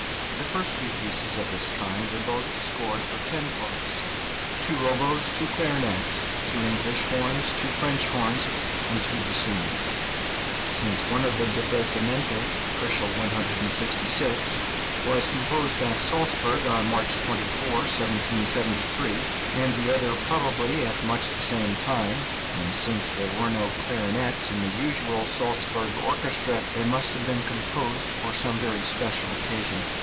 The two first pieces of this kind are both scored for ten parts, two oboes, two clarinets, two English horns, two French horns, and two bassoons. Since one of the divertimenti (166 K.) was composed at Salzburg on March 24, 1773, and the other probably at much the same time; and since there were no clarinets in the usual Salzburg orchestra, they must have been composed for some very special occasion.